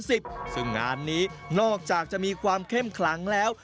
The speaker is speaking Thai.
ซึ่งงานนี้นอกจากจะมีความเข้มขลังแล้ว